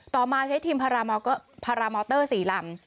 มาใช้ทีมพารามอเตอร์๔ลำ